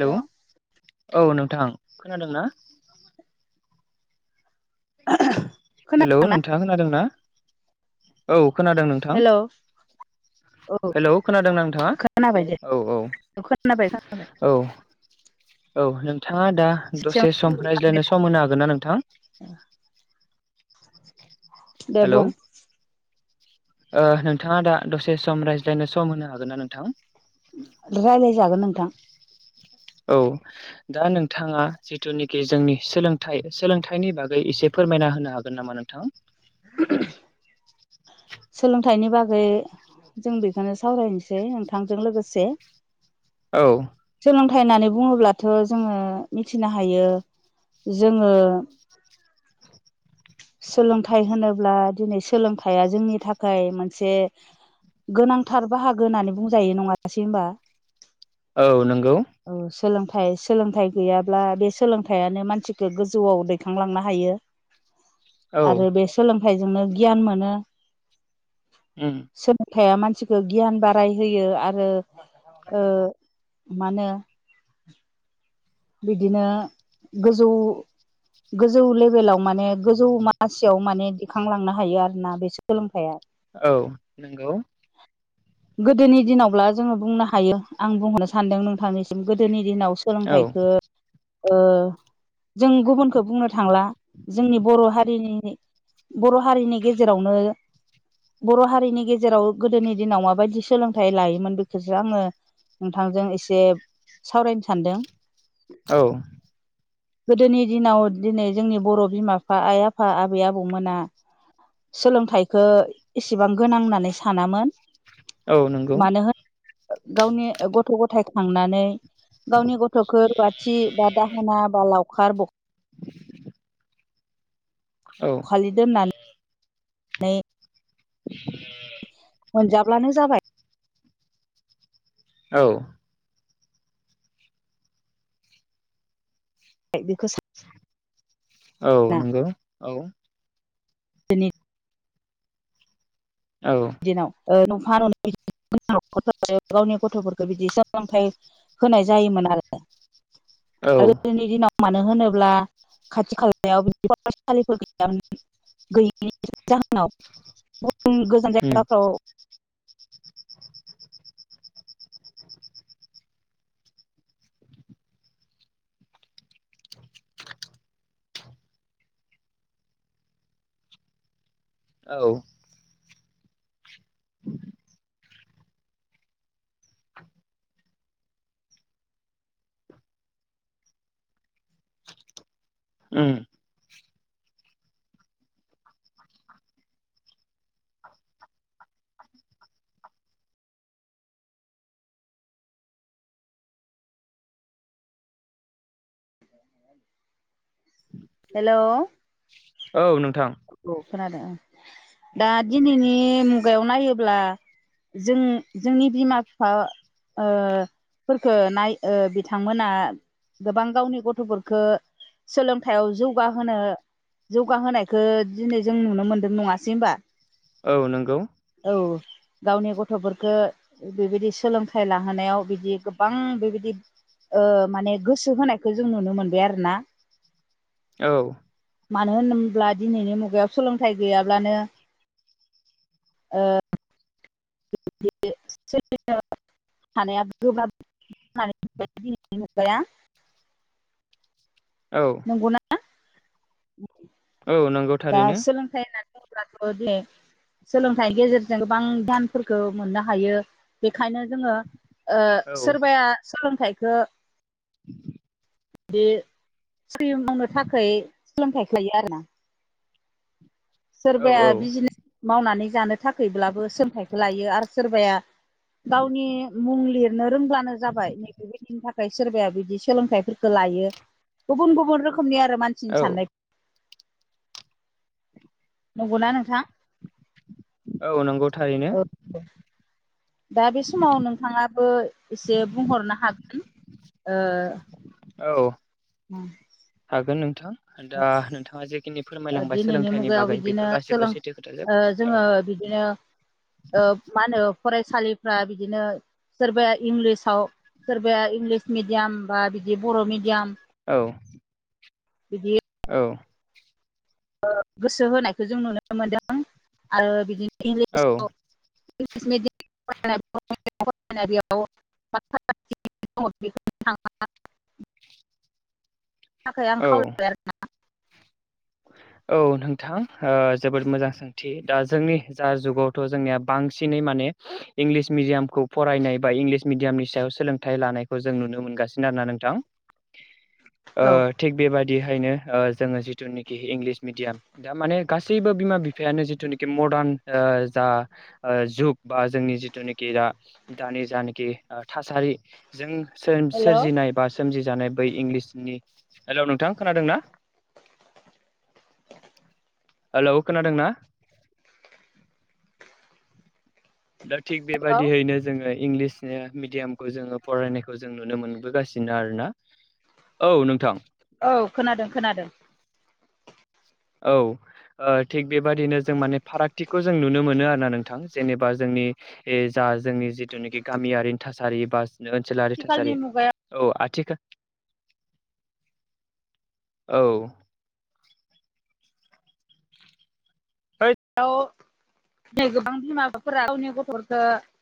Hello hello औ नोंथां खोनादों ना [inaudible] हेलौ खोनादोंना नोंथाङा खोनादों ना? औ खोनादों नोंथां। हेल' औ हेलौ खोनादोंना नोंथाङा खोनोनाबाय दे औ खोनाबाय-खोनाबाय। औ औ नोंथाङा दा दसे सम सेथियावनो रायज्लायनो सम होनो हागोन ना नोंथां? दे बुं हेल' नोंथाङा दा दसे सम रायज्लायनो सम होनो हागोन ना नोंथां रायलायजागोन नोंथां। औ दा नोंथाङा जिथुनिखि जोंनि सोलोंथाइ सोलोंथाइनि बागै एसे फोरमायना होनो हागोन नामा नोंथां [inaudible] सोलोंथाइनि बागै जों बेखौनो सावरायनोसै नोंथांजों लोगोसे औ सोलोंथाइ होननानै बुङोब्लाथ' जोङो मिथिनो हायो। जोङो सोलोंथाइ होनोब्ला दिनै सोलोंथाइया जोंनि थाखाय मोनसे गोनांथार बाहागो होननानै बुंजायो नङासै होमबा। औ नंगौ औ सोलोंथाइ सोलोंथाइ गैयाब्ला बे सोलोंथाइयानो मानसिखो गोजौआव दैखांलांनो हायो। [inaudible] आरो बे सोलोंथाइजोंनो गियान मोनो ओम सोलोंथाइया मानसिखौ गियान बारायहोयो आरो मा होनो बिदिनो गोजौ गोजौ लेभेलाव माने गोजौ मासियाव माने दिखांलांनो हायो आरोना बे सोलोंथाइया औ नंगौ गोदोनि दिनावब्ला जोङो बुंनो हायो आं बुंहरनो सानदों नोंथांनिसि गोदोनि दिनाव औ सोलोंथाइखौ जों गुबुनखौ बुंनो थांला जोंनि बर' हारिनि बर' हारिनि गेजेरावनो बर' हारिनि गेजेराव गोदोनि दिनाव माबायदि सोलोंथाइ लायोमोन बेखौसो आङो नोंथांजों एसे सावरायनो सानदों औ गोदोनि दिनाव दिनै जोंनि बर' बिमा बिफा आइ आफा आबै आबौमोना सोलोंथाइखो एसेबां गोनां होननानै सानामोन औ नंगौ मानो होन गावनि गथ' गथाय खांनानै गावनि गथ' थोखोर बाथि बा दाहोना बा लावखार ब औ फालिदों होननानै [unintelligible] [unintelligible] मोनजाब्लानो जाबाय। औ [unintelligible] औ साना नंगौ औ दिनैनि औ [unintelligible] गावनि गथ'फोरखौ बिदि सोलोंथाइ होनाय जायोमोन आरो आरो गोदोनि दिनाव मानो होनोब्ला खाथि खालायाव बिदिनो फरायसालिफोर गैयामोन गैयिनि जाहोनाव गुबुन गोजान उम जायगाफ्राव औ। [inaudible] उम हेल' औ नोंथां औ खोनादों, दा दिनैनि मुगायाव नायोब्ला जों जोंनि बिमा बिफा ओ फोरखो नाय ओ बिथांमोना गोबां गावनि गथ'फोरखो सोलोंथायाइयाव जौगाहोनो जौगाहोनाय खो दिनै जों नुनो मोन्दों नङासै होमबा औ नंगौ। औ गावनि गथ'फोरखौ बेबायदि सोलोंथाइ लाहोनायाव बिदि गोबां बेबायदि ओ माने गोसो होनायखौ जों नुनो मोनबाय आरो ना औ मानो होब्ला दिनैनि मुगायाव सोलोंथाइ गैयाब्लानो ओ [unintelligible] थानाया गोब्राब [unintelligible] मुगाया औ नंगौना औ नंगौ दा थारैनो सोलोंथाय होननानै बुंङोब्लाथ' जों सोलोंथाइनि गेजेरजों गोबां ध्यानफोरखौ मोननो हायो बेखायनो जोंङो ओ औ सोरबाया सोलोंथाइखो [inaudible] [unintelligible] मावनो थाखाय सोलोंथाइ थायो आरोना औ सोरबाया औ बिजिनेस मावनानै जानो थाखायब्लाबो सोंथाइखौ लायो आरो सोरबाया गावनि मुं लिरनो रोंब्लानो जाबाय बेबायदिनि थाखाय सोरबाया बिदि सोलोंथाइफोरखौ लायो गुबुन गुबुन रोखोमनि आरो औ मानसिनि साननाय नंगौना नोंथां औ नंगौ थारैनो औ दा बे समाव नोंथांङा एसे बुंहरनो हागोन ओ औ [inaudible] हागोन नोंथां दा नोंथाङा जेखिनि फोरमायलांबाय दिनैनि सोलोंथाइनि मुगायाव बागै बिदिनो बेफोर सोलों गाससिबो सेैथो। ओ खोथाजोब औ जोङो बिदिनो ओ मा होनो फरायसालिफ्रा बिदिनो सोरबाया इंलिसाव सोरबाया इंलिस मिडियाम बा बिदि बर' मिडियाम औ। बिदि औ। गोसो होनायखौ जों नुनो मोनदों आरो बिदिनो औ इंलिसाव [unintelligible] [unintelligible] थनि थाखाय आं खावलायबाय आरोोना औ [unintelligible] औ नोंथां जोबोद मोजां सों दा जोंनि जा जुगावथ' जोंनिया बांसिनै माने इंलिस मिडियामखौ फरायनाय बा इंलिस मिडियामनि सायाव सोलोंथाइ लानायखौ जों नुनो मोनगासिनो आरो ना नोंथां। [unintelligible] औ। थिग बेबादिहायनो ओ जोङो जिथु इ इंलिस मिडियाम दा माने गासैबो बिमा बिफायानो जिथुनोखि मडार्न ओ जा ओ जुग बा जोंनि जिथुनाखि दा दानि जानखि ओ थासारि जों हेल' औ सोरजिनाय बा सोमजिजानाय बै इंलिसनि हेल' नोंथां खोनादों ना। [unintelligible] हेलौ खोनादों ना दा थिग बेबायाददियैनो जोङो इंलिसनि मिडियामखौ जोङो फरायनायखौ जों नुनो मोनबोगासिनो आरोना। औ नोंथां। औ खोनादों खोनादों। औ। ओ थिग बेबादिनो जों माने फारागथिखौ जों नुनो मोनो आरो ना नोंथां जेनेबा जोंनि ए जा जोंनि जिथुनाखि गामियारिनि थासारि बा ओनसोलारि आथिखालनि थासारि मुगायाव औ आथिखा औ। है गौ गोबां बिमा बिाबाफोरा गावनि गथ'फोरखो [unintelligible]